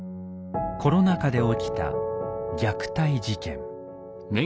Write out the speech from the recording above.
コロナ禍で起きた虐待事件。